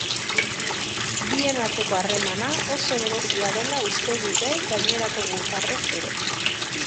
Bien arteko harremana oso berezia dela uste dute gainerako gutarrek ere.